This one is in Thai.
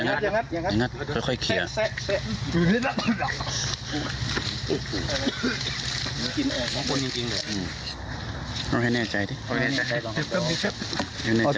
แล้วจะตัดทำให้คุณพรีดออกแรงเหล็กเพื่อนมันจะติดจากความสันดาลัย